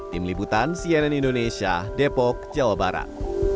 tim liputan cnn indonesia depok jawa barat